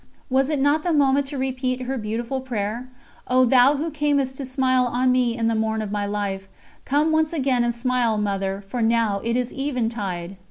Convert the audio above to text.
Was it not the moment to repeat her beautiful prayer: "O thou who camest to smile on me in the morn of my life, come once again and smile, Mother, for now it is eventide!"